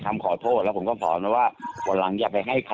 เมื่อกลุ่มวิทยาลัยอย่างมาก